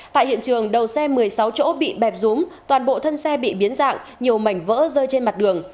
tại hiện trường đầu xe một mươi sáu chỗ bị bẹp rúm toàn bộ thân xe bị biến dạng nhiều mảnh vỡ rơi trên mặt đường